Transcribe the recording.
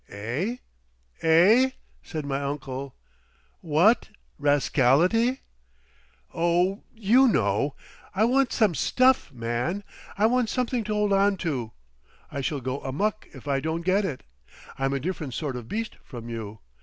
"Eh? Eh?" said my uncle. "What—rascality?" "Oh, you know. I want some stuff, man. I want something to hold on to. I shall go amok if I don't get it. I'm a different sort of beast from you.